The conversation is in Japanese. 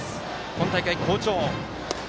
今大会、好調。